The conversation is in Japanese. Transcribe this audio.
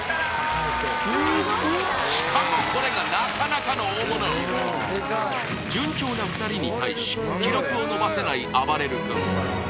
しかもこれが順調な２人に対し記録を伸ばせないあばれる君